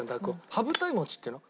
羽二重餅っていうの？